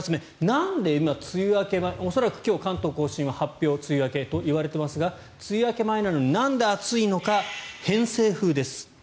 なんで梅雨明け恐らく今日、関東・甲信は梅雨明け発表と言われていますが梅雨明け前なのになんで暑いのか偏西風です。